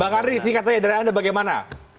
bang henry singkatan dari anda bagaimana